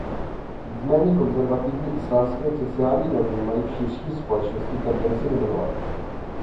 Nicméně konzervativní islámské sociální normy mají v širší společnosti tendenci dominovat.